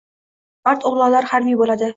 Mard o‘g‘lonlar harbiy bo‘ladi